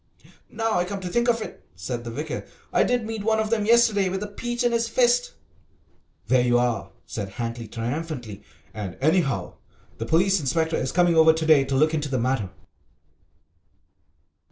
"Now I come to think of it," said the vicar, "I did meet one of them yesterday with a peach in his fist." "There you are," said Hankly triumphantly, "and, anyhow, the police inspector is coming over to day to look into the matter."